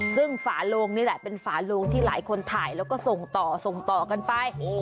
ซึ่งฝาโลงนี่แหละเป็นฝาโลงที่หลายคนถ่ายแล้วก็ส่งต่อส่งต่อกันไป